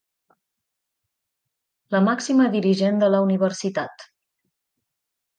La màxima dirigent de la universitat.